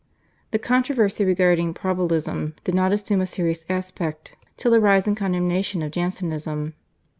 The controversy regarding Probabilism did not assume a serious aspect till the rise and condemnation of Jansenism.